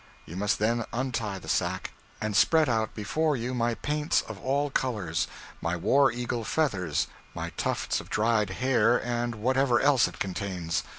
You must then untie the sack, and spread out before you my paints of all colors, my war eagle feathers, my tufts of dried hair, and whatever else it contains.